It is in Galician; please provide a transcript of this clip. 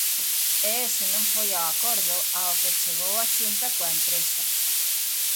E ese non foi o acordo ao que chegou a Xunta coa empresa.